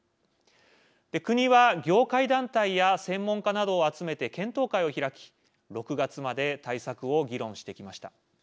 国は業界団体や専門家などを集めて検討会を開き６月まで対策を議論してきました。